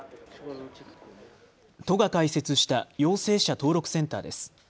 都が開設した陽性者登録センターです。